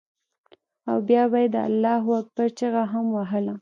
او بيا به یې د الله اکبر چیغه هم وهله.